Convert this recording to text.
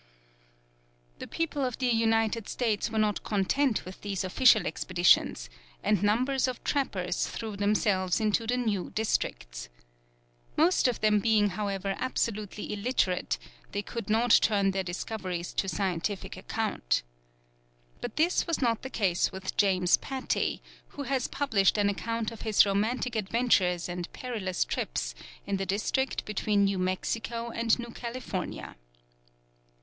The people of the United States were not content with these official expeditions, and numbers of trappers threw themselves into the new districts. Most of them being however absolutely illiterate, they could not turn their discoveries to scientific account. But this was not the case with James Pattie, who has published an account of his romantic adventures and perilous trips in the district between New Mexico and New California.